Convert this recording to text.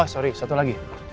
oh sorry satu lagi